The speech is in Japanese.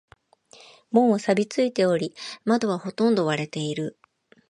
門は錆びついており、窓はほとんど割れている。